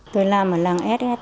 tôi làm ở làng sos